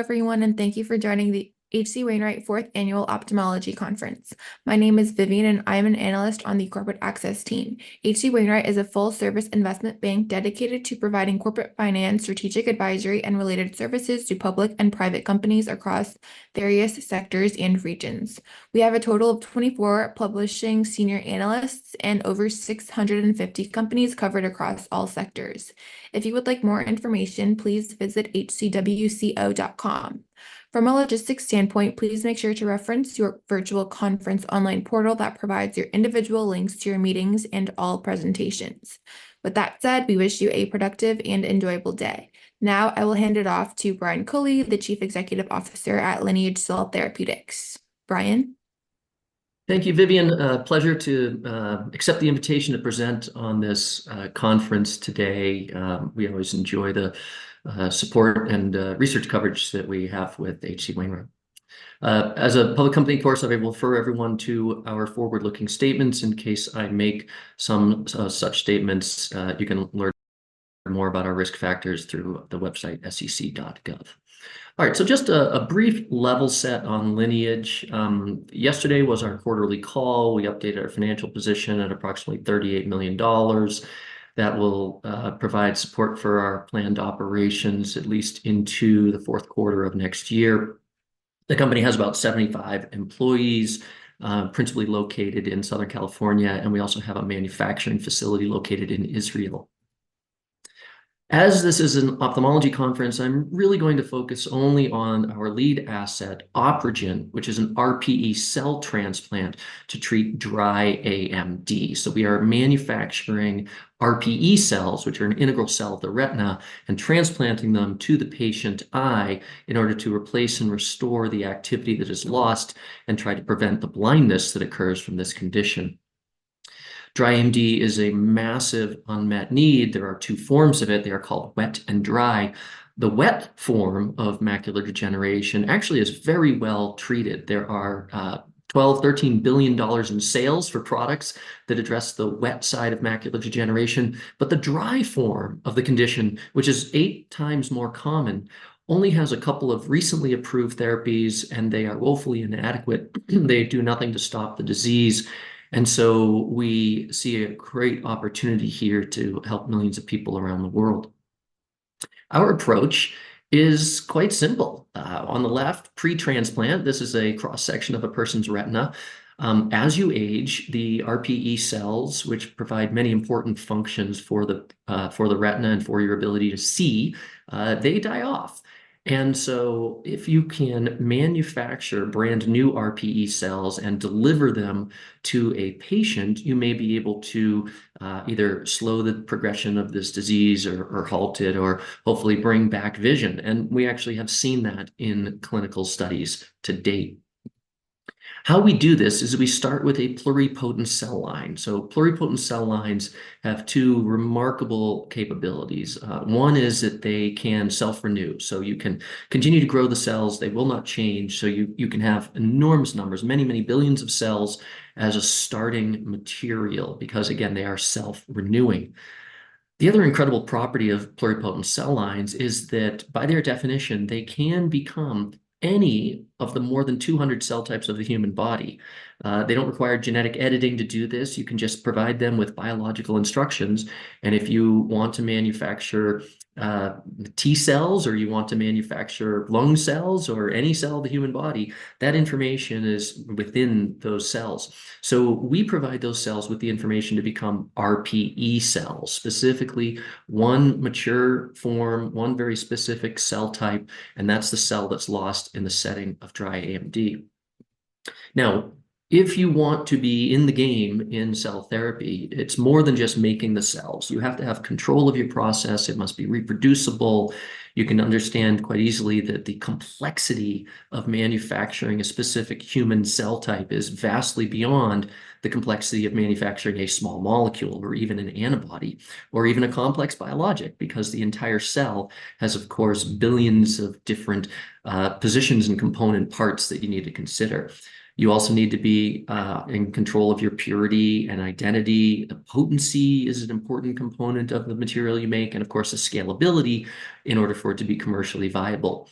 Hello, everyone, and thank you for joining the HCWainwright Fourth Annual Ophthalmology Conference. My name is Vivian, and I am an analyst on the corporate access team. HCWainwright is a full-service investment bank dedicated to providing corporate finance, strategic advisory, and related services to public and private companies across various sectors and regions. We have a total of 24 publishing senior analysts and over 650 companies covered across all sectors. If you would like more information, please visit hcwco.com. From a logistics standpoint, please make sure to reference your virtual conference online portal that provides your individual links to your meetings and all presentations. With that said, we wish you a productive and enjoyable day. Now, I will hand it off to Brian Culley, the Chief Executive Officer at Lineage Cell Therapeutics. Brian? Thank you, Vivian. A pleasure to accept the invitation to present on this conference today. We always enjoy the support and research coverage that we have with HCWainwright. As a public company, of course, I will refer everyone to our forward-looking statements in case I make some such statements. You can learn more about our risk factors through the website sec.gov. All right, so just a brief level set on Lineage. Yesterday was our quarterly call. We updated our financial position at approximately $38 million. That will provide support for our planned operations at least into the fourth quarter of next year. The company has about 75 employees, principally located in Southern California, and we also have a manufacturing facility located in Israel. As this is an ophthalmology conference, I'm really going to focus only on our lead asset, OpRegen, which is an RPE cell transplant to treat dry AMD. So we are manufacturing RPE cells, which are an integral cell of the retina, and transplanting them to the patient eye in order to replace and restore the activity that is lost and try to prevent the blindness that occurs from this condition. Dry AMD is a massive unmet need. There are two forms of it. They are called wet and dry. The wet form of macular degeneration actually is very well treated. There are $12-$13 billion in sales for products that address the wet side of macular degeneration, but the dry form of the condition, which is eight times more common, only has a couple of recently approved therapies, and they are woefully inadequate. They do nothing to stop the disease, and so we see a great opportunity here to help millions of people around the world. Our approach is quite simple. On the left, pre-transplant, this is a cross-section of a person's retina. As you age, the RPE cells, which provide many important functions for the retina and for your ability to see, they die off. And so if you can manufacture brand-new RPE cells and deliver them to a patient, you may be able to either slow the progression of this disease or, or halt it, or hopefully bring back vision, and we actually have seen that in clinical studies to date. How we do this is we start with a pluripotent cell line. So pluripotent cell lines have two remarkable capabilities. One is that they can self-renew, so you can continue to grow the cells. They will not change, so you can have enormous numbers, many, many billions of cells, as a starting material because, again, they are self-renewing. The other incredible property of pluripotent cell lines is that, by their definition, they can become any of the more than 200 cell types of the human body. They don't require genetic editing to do this. You can just provide them with biological instructions, and if you want to manufacture T cells, or you want to manufacture lung cells or any cell of the human body, that information is within those cells. So we provide those cells with the information to become RPE cells, specifically one mature form, one very specific cell type, and that's the cell that's lost in the setting of dry AMD. Now, if you want to be in the game in cell therapy, it's more than just making the cells. You have to have control of your process. It must be reproducible. You can understand quite easily that the complexity of manufacturing a specific human cell type is vastly beyond the complexity of manufacturing a small molecule, or even an antibody, or even a complex biologic, because the entire cell has, of course, billions of different positions and component parts that you need to consider. You also need to be in control of your purity and identity. Potency is an important component of the material you make, and of course, the scalability in order for it to be commercially viable.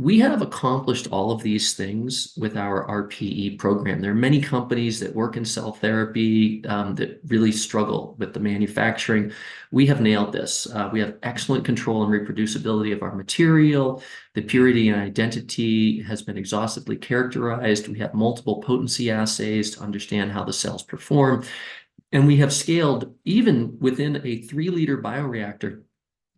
We have accomplished all of these things with our RPE program. There are many companies that work in cell therapy that really struggle with the manufacturing. We have nailed this. We have excellent control and reproducibility of our material. The purity and identity has been exhaustively characterized, and we have multiple potency assays to understand how the cells perform, and we have scaled. Even within a 3-liter bioreactor,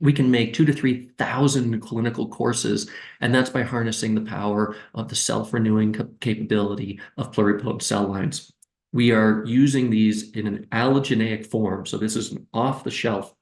we can make 2,000-3,000 clinical courses, and that's by harnessing the power of the self-renewing capability of pluripotent cell lines. We are using these in an allogeneic form, so this is off the shelf.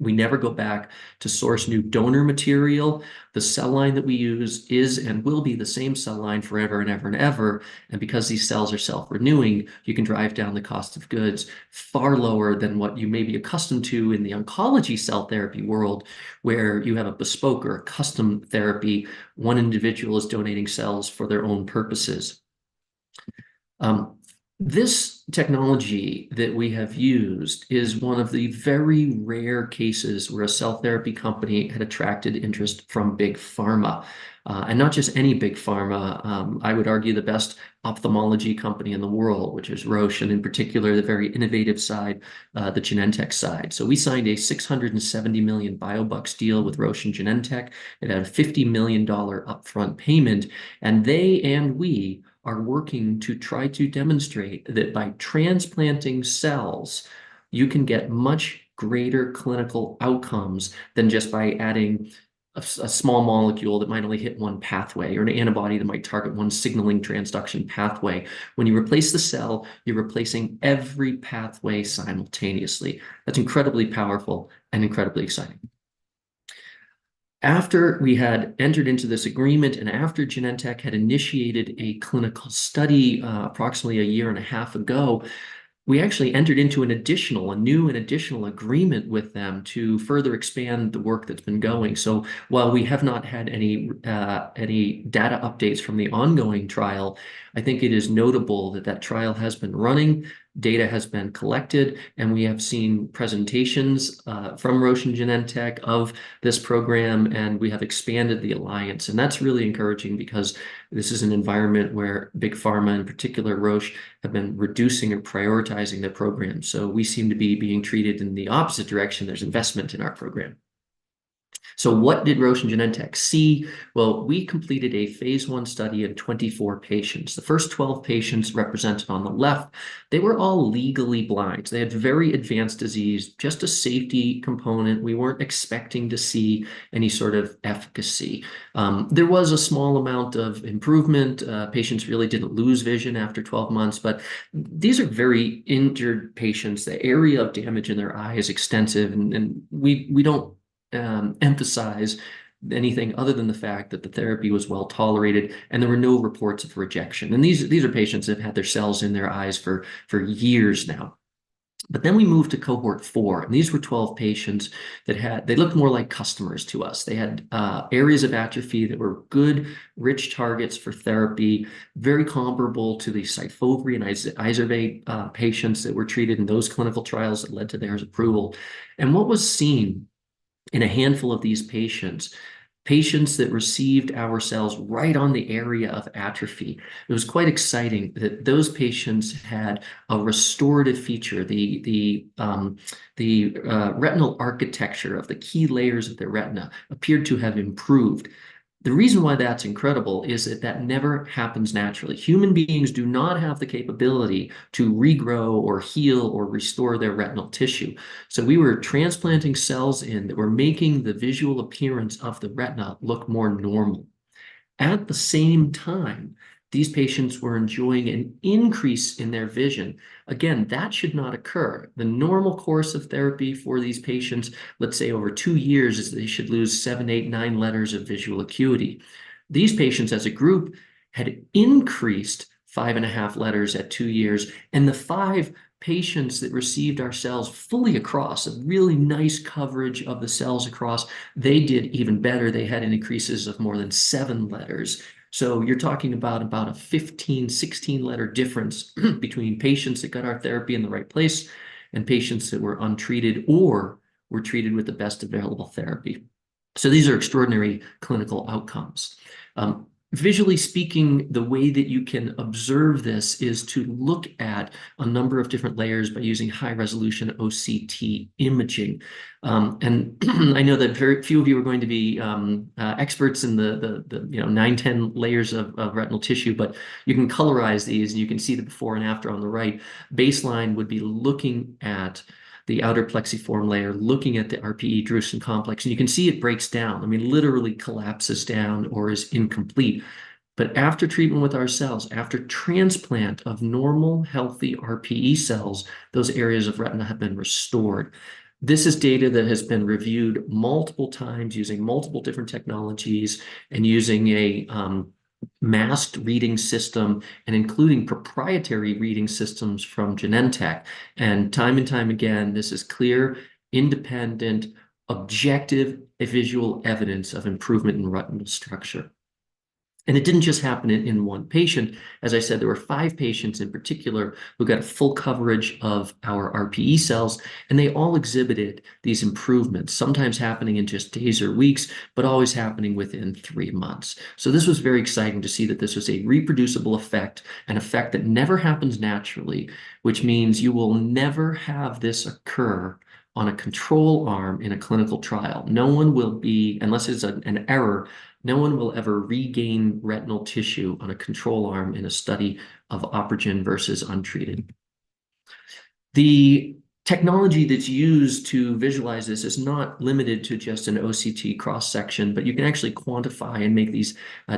We never go back to source new donor material. The cell line that we use is and will be the same cell line forever and ever and ever, and because these cells are self-renewing, you can drive down the cost of goods far lower than what you may be accustomed to in the oncology cell therapy world, where you have a bespoke or a custom therapy. One individual is donating cells for their own purposes.... This technology that we have used is one of the very rare cases where a cell therapy company had attracted interest from Big Pharma. And not just any Big Pharma, I would argue the best ophthalmology company in the world, which is Roche, and in particular, the very innovative side, the Genentech side. So we signed a $670 million biobucks deal with Roche and Genentech. It had a $50 million upfront payment, and they and we are working to try to demonstrate that by transplanting cells, you can get much greater clinical outcomes than just by adding a small molecule that might only hit one pathway, or an antibody that might target one signaling transduction pathway. When you replace the cell, you're replacing every pathway simultaneously. That's incredibly powerful and incredibly exciting. After we had entered into this agreement, and after Genentech had initiated a clinical study, approximately a year and a half ago, we actually entered into an additional, a new and additional agreement with them to further expand the work that's been going. So while we have not had any, any data updates from the ongoing trial, I think it is notable that that trial has been running, data has been collected, and we have seen presentations, from Roche and Genentech of this program, and we have expanded the alliance. And that's really encouraging because this is an environment where Big Pharma, in particular Roche, have been reducing and prioritizing their program. So we seem to be being treated in the opposite direction. There's investment in our program. So what did Roche and Genentech see? Well, we completed a phase I study in 24 patients. The first 12 patients represented on the left, they were all legally blind. They had very advanced disease, just a safety component. We weren't expecting to see any sort of efficacy. There was a small amount of improvement. Patients really didn't lose vision after 12 months, but these are very injured patients. The area of damage in their eye is extensive, and we don't emphasize anything other than the fact that the therapy was well-tolerated, and there were no reports of rejection. And these are patients that have had their cells in their eyes for years now. But then we moved to cohort four, and these were 12 patients that had. They looked more like customers to us. They had areas of atrophy that were good, rich targets for therapy, very comparable to the Syfovre and Izervay patients that were treated in those clinical trials that led to their approval. And what was seen in a handful of these patients, patients that received our cells right on the area of atrophy, it was quite exciting that those patients had a restorative feature. The retinal architecture of the key layers of their retina appeared to have improved. The reason why that's incredible is that that never happens naturally. Human beings do not have the capability to regrow or heal or restore their retinal tissue. So we were transplanting cells in that were making the visual appearance of the retina look more normal. At the same time, these patients were enjoying an increase in their vision. Again, that should not occur. The normal course of therapy for these patients, let's say over two years, is they should lose seven, eight, nine letters of visual acuity. These patients, as a group, had increased five and a half letters at two years, and the five patients that received our cells fully across, a really nice coverage of the cells across, they did even better. They had increases of more than seven letters. So you're talking about, about a 15, 16-letter difference between patients that got our therapy in the right place and patients that were untreated or were treated with the best available therapy. So these are extraordinary clinical outcomes. Visually speaking, the way that you can observe this is to look at a number of different layers by using high-resolution OCT imaging. And I know that very few of you are going to be experts in the you know nine, 10 layers of retinal tissue, but you can colorize these, and you can see the before and after on the right. Baseline would be looking at the outer plexiform layer, looking at the RPE-drusen complex, and you can see it breaks down. I mean, literally collapses down or is incomplete. But after treatment with our cells, after transplant of normal, healthy RPE cells, those areas of retina have been restored. This is data that has been reviewed multiple times using multiple different technologies and using a masked reading system and including proprietary reading systems from Genentech. And time and time again, this is clear, independent, objective, visual evidence of improvement in retinal structure. And it didn't just happen in one patient. As I said, there were five patients in particular who got full coverage of our RPE cells, and they all exhibited these improvements, sometimes happening in just days or weeks, but always happening within three months. So this was very exciting to see that this was a reproducible effect, an effect that never happens naturally, which means you will never have this occur on a control arm in a clinical trial. No one will be, unless it's an error, no one will ever regain retinal tissue on a control arm in a study of OpRegen versus untreated. The technology that's used to visualize this is not limited to just an OCT cross-section, but you can actually quantify and make these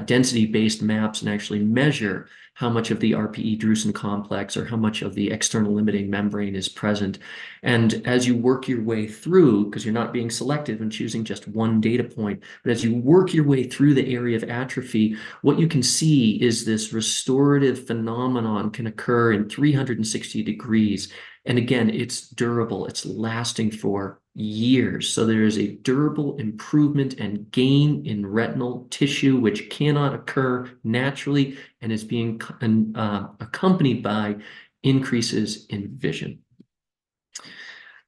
density-based maps and actually measure how much of the RPE-Drusen Complex, or how much of the External Limiting Membrane is present. And as you work your way through, 'cause you're not being selective and choosing just one data point, but as you work your way through the area of atrophy, what you can see is this restorative phenomenon can occur in 360 degrees. And again, it's durable. It's lasting for years. So there is a durable improvement and gain in retinal tissue, which cannot occur naturally and is being accompanied by increases in vision.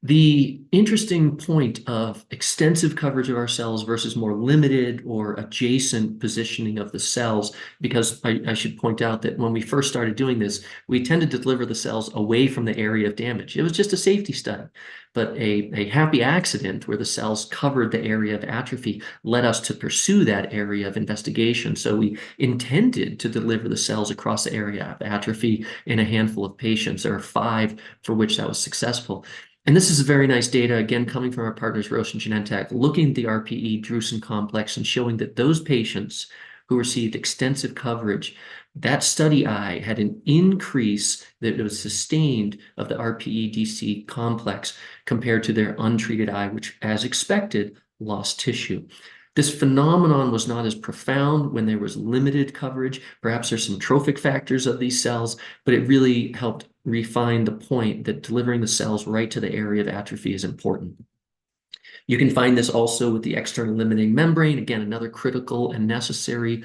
The interesting point of extensive coverage of our cells versus more limited or adjacent positioning of the cells, because I should point out that when we first started doing this, we tended to deliver the cells away from the area of damage. It was just a safety study, but a happy accident where the cells covered the area of atrophy led us to pursue that area of investigation. So we intended to deliver the cells across the area of atrophy in a handful of patients. There are five for which that was successful. This is a very nice data, again, coming from our partners, Roche and Genentech, looking at the RPE-Drusen complex and showing that those patients who received extensive coverage, that study eye had an increase that was sustained of the RPE-DC complex compared to their untreated eye, which, as expected, lost tissue. This phenomenon was not as profound when there was limited coverage. Perhaps there's some trophic factors of these cells, but it really helped refine the point that delivering the cells right to the area of atrophy is important. You can find this also with the external limiting membrane. Again, another critical and necessary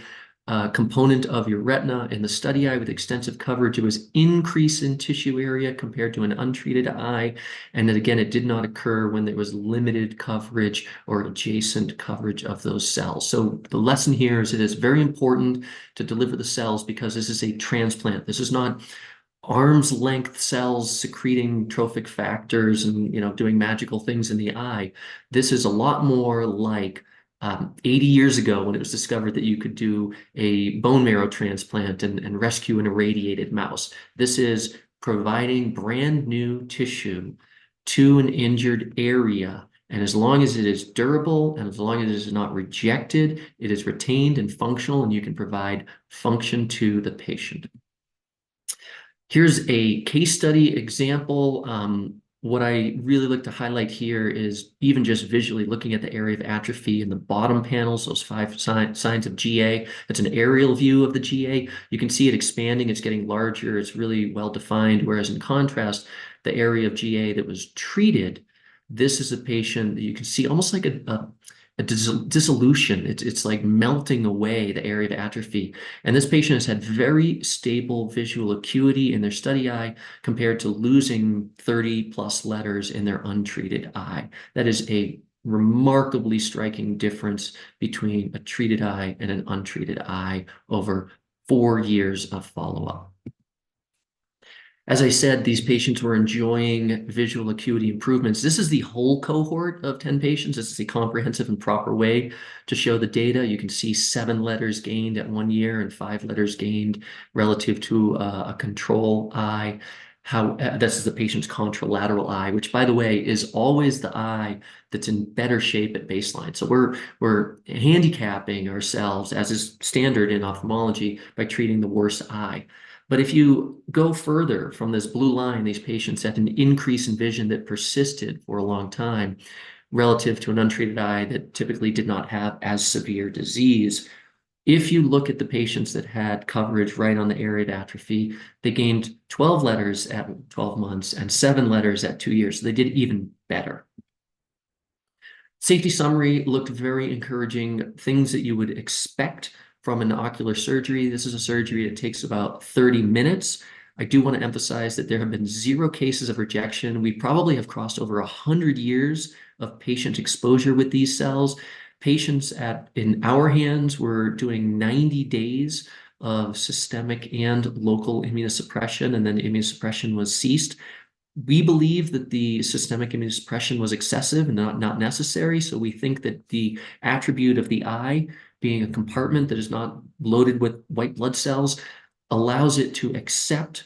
component of your retina. In the study eye with extensive coverage, it was increase in tissue area compared to an untreated eye, and then again, it did not occur when there was limited coverage or adjacent coverage of those cells. So the lesson here is it is very important to deliver the cells because this is a transplant. This is not arm's length cells secreting trophic factors and, you know, doing magical things in the eye. This is a lot more like, 80 years ago, when it was discovered that you could do a bone marrow transplant and rescue an irradiated mouse. This is providing brand-new tissue to an injured area, and as long as it is durable and as long as it is not rejected, it is retained and functional, and you can provide function to the patient. Here's a case study example. What I really look to highlight here is even just visually looking at the area of atrophy in the bottom panels, those five signs of GA. It's an aerial view of the GA. You can see it expanding, it's getting larger, it's really well defined. Whereas in contrast, the area of GA that was treated, this is a patient you can see almost like a dissolution. It's like melting away the area of atrophy, and this patient has had very stable visual acuity in their study eye, compared to losing 30+ letters in their untreated eye. That is a remarkably striking difference between a treated eye and an untreated eye over four years of follow-up. As I said, these patients were enjoying visual acuity improvements. This is the whole cohort of 10 patients. This is a comprehensive and proper way to show the data. You can see 7 letters gained at 1 year and 5 letters gained relative to a control eye. This is the patient's contralateral eye, which, by the way, is always the eye that's in better shape at baseline. So we're handicapping ourselves, as is standard in ophthalmology, by treating the worse eye. But if you go further from this blue line, these patients had an increase in vision that persisted for a long time relative to an untreated eye that typically did not have as severe disease. If you look at the patients that had coverage right on the area of atrophy, they gained 12 letters at 12 months and 7 letters at 2 years. They did even better. Safety summary looked very encouraging, things that you would expect from an ocular surgery. This is a surgery that takes about 30 minutes. I do want to emphasize that there have been zero cases of rejection. We probably have crossed over 100 years of patient exposure with these cells. Patients in our hands were doing 90 days of systemic and local immunosuppression, and then immunosuppression was ceased. We believe that the systemic immunosuppression was excessive and not, not necessary, so we think that the attribute of the eye being a compartment that is not loaded with white blood cells allows it to accept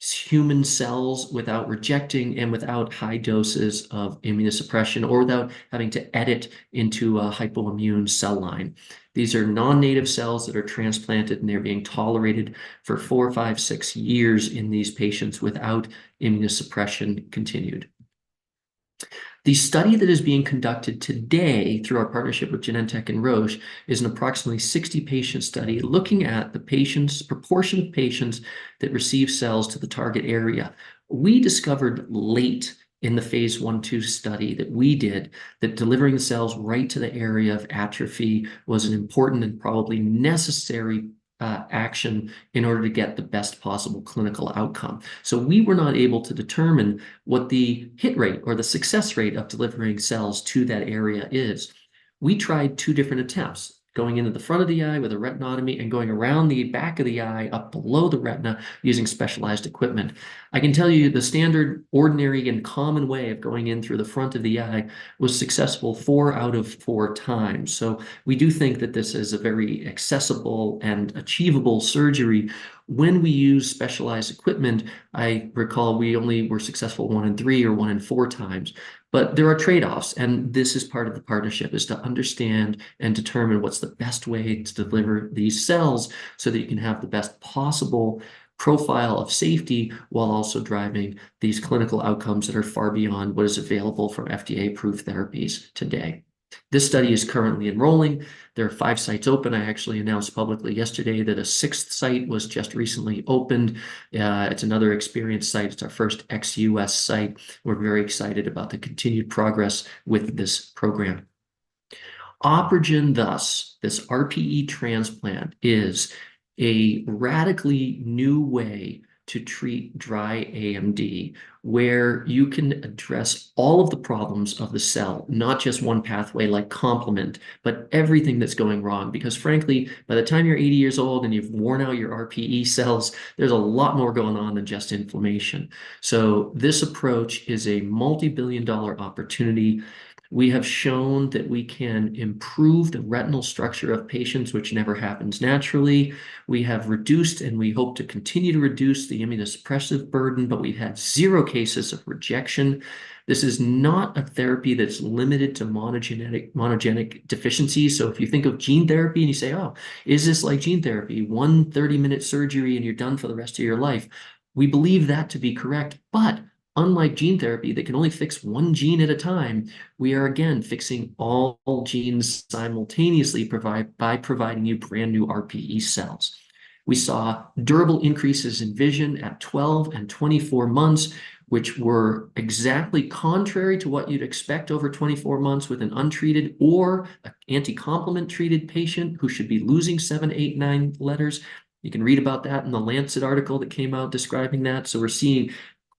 human cells without rejecting and without high doses of immunosuppression, or without having to edit into a hypoimmune cell line. These are non-native cells that are transplanted, and they're being tolerated for four, five, six years in these patients without immunosuppression continued. The study that is being conducted today through our partnership with Genentech and Roche is an approximately 60-patient study looking at the proportion of patients that receive cells to the target area. We discovered late in the phase I/II study that we did that delivering the cells right to the area of atrophy was an important and probably necessary action in order to get the best possible clinical outcome. So we were not able to determine what the hit rate or the success rate of delivering cells to that area is. We tried two different attempts: going into the front of the eye with a retinotomy and going around the back of the eye, up below the retina, using specialized equipment. I can tell you the standard, ordinary, and common way of going in through the front of the eye was successful four out of four times. So we do think that this is a very accessible and achievable surgery. When we use specialized equipment, I recall we only were successful one in three or one in four times. But there are trade-offs, and this is part of the partnership, is to understand and determine what's the best way to deliver these cells so that you can have the best possible profile of safety while also driving these clinical outcomes that are far beyond what is available for FDA-approved therapies today. This study is currently enrolling. There are five sites open. I actually announced publicly yesterday that a sixth site was just recently opened. It's another experienced site. It's our first ex-US site. We're very excited about the continued progress with this program. OpRegen, thus, this RPE transplant is a radically new way to treat Dry AMD, where you can address all of the problems of the cell, not just one pathway like complement, but everything that's going wrong. Because frankly, by the time you're 80 years old and you've worn out your RPE cells, there's a lot more going on than just inflammation. So this approach is a multi-billion dollar opportunity. We have shown that we can improve the retinal structure of patients, which never happens naturally. We have reduced, and we hope to continue to reduce, the immunosuppressive burden, but we've had zero cases of rejection. This is not a therapy that's limited to monogenetic, monogenic deficiencies. So if you think of gene therapy, and you say, "Oh, is this like gene therapy? One, 30-minute surgery, and you're done for the rest of your life," we believe that to be correct. But unlike gene therapy, that can only fix one gene at a time, we are, again, fixing all genes simultaneously by providing you brand-new RPE cells. We saw durable increases in vision at 12 and 24 months, which were exactly contrary to what you'd expect over 24 months with an untreated or anti-complement-treated patient who should be losing seven, eight, nine letters. You can read about that in the Lancet article that came out describing that. So we're seeing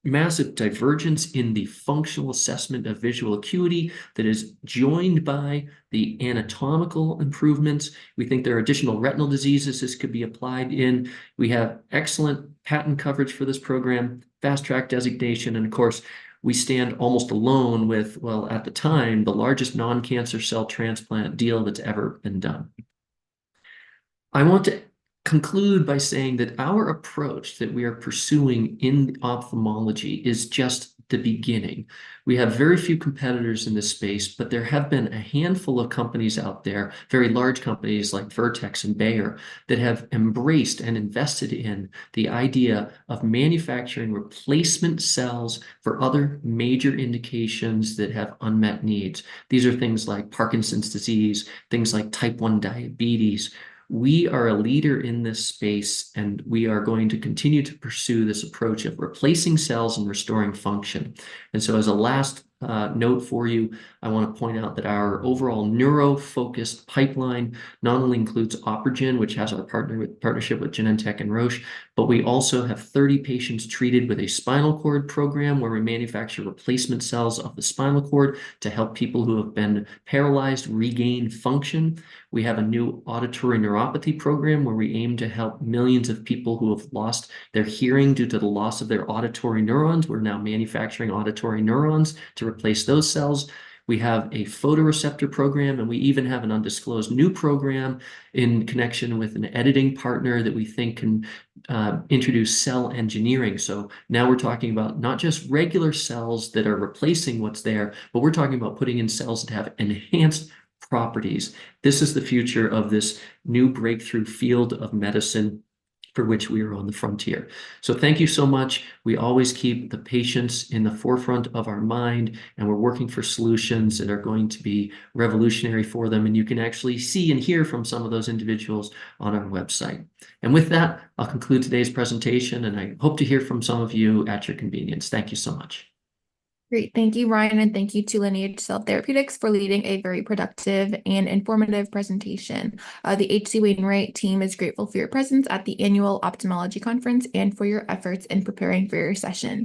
massive divergence in the functional assessment of visual acuity that is joined by the anatomical improvements. We think there are additional retinal diseases this could be applied in. We have excellent patent coverage for this program, fast-track designation, and of course, we stand almost alone with, well, at the time, the largest non-cancer cell transplant deal that's ever been done. I want to conclude by saying that our approach that we are pursuing in ophthalmology is just the beginning. We have very few competitors in this space, but there have been a handful of companies out there, very large companies like Vertex and Bayer, that have embraced and invested in the idea of manufacturing replacement cells for other major indications that have unmet needs. These are things like Parkinson's disease, things like type 1 diabetes. We are a leader in this space, and we are going to continue to pursue this approach of replacing cells and restoring function. As a last note for you, I want to point out that our overall neuro-focused pipeline not only includes OpRegen, which has our partnership with Genentech and Roche, but we also have 30 patients treated with a spinal cord program, where we manufacture replacement cells of the spinal cord to help people who have been paralyzed regain function. We have a new auditory neuropathy program, where we aim to help millions of people who have lost their hearing due to the loss of their auditory neurons. We're now manufacturing auditory neurons to replace those cells. We have a photoreceptor program, and we even have an undisclosed new program in connection with an editing partner that we think can introduce cell engineering. So now we're talking about not just regular cells that are replacing what's there, but we're talking about putting in cells that have enhanced properties. This is the future of this new breakthrough field of medicine for which we are on the frontier. So thank you so much. We always keep the patients in the forefront of our mind, and we're working for solutions that are going to be revolutionary for them, and you can actually see and hear from some of those individuals on our website. And with that, I'll conclude today's presentation, and I hope to hear from some of you at your convenience. Thank you so much. Great. Thank you, Brian, and thank you to Lineage Cell Therapeutics for leading a very productive and informative presentation. The HCWainwright team is grateful for your presence at the Annual Ophthalmology Conference and for your efforts in preparing for your session.